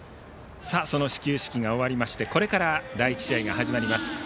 始球式が終わりまして第１試合が始まります。